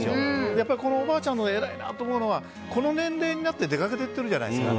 やっぱり、このおばあちゃんの偉いなと思うのはこの年齢になって出かけて行ってるじゃないですか。